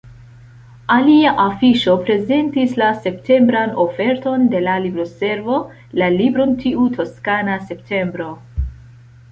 Alia afiŝo prezentis la septembran oferton de la Libroservo, la libron Tiu toskana septembro.